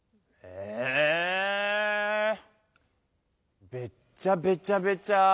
えべっちゃべちゃべちゃ。